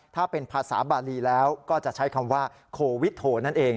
ถ้าเป็นภาษาบาลีแล้วก็จะใช้คำว่าโควิทโทนั่นเอง